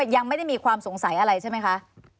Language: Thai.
ยังไม่ได้มีความสงสัยอะไรใช่ไหมคะ